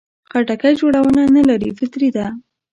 خټکی جوړونه نه لري، فطري ده.